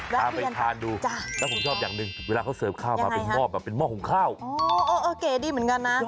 เอาไปทานดูแต่ผมชอบอย่างหนึ่งเวลาเขาเสิร์ฟข้าวมาเป็นหม้อของข้าวโอเคดีเหมือนกันนะ